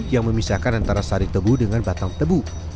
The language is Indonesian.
yang memisahkan antara sari tebu dengan batang tebu